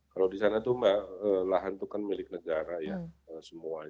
kalau di sana tuh mbak lahan itu kan milik negara ya semuanya